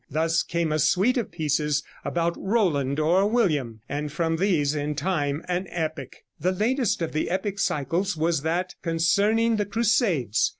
Thus came a suite of pieces about Roland or William, and from these, in time, an epic. The latest of the epic cycles was that concerning the crusades.